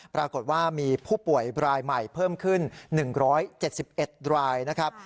ปรากฏว่ามีผู้ป่วยรายใหม่เพิ่มขึ้น๑๗๑รายนะครับ